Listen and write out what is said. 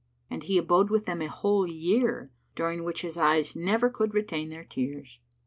And he abode with them a whole year, during which his eyes never could retain their tears.